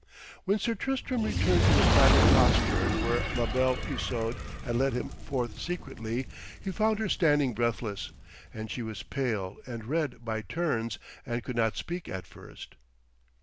When Sir Tristram returned to the private postern where La Belle Isoude had led him forth secretly, he found her standing breathless, and she was pale and red by turns, and could not speak at first.